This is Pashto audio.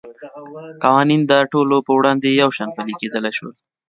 قوانین د ټولو په وړاندې یو شان پلی کېدای شوای.